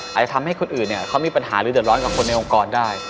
อาจจะทำให้คนอื่นเนี่ยเขามีปัญหาหรือเดือดร้อนกับคนในองค์กรได้